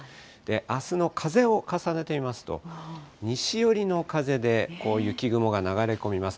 あすの風を重ねてみますと、西寄りの風で雪雲が流れ込みます。